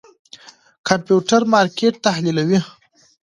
کمپيوټر مارکېټ تحليلوي.